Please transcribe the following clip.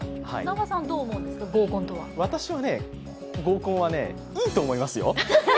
私は合コンはいいと思いますよ。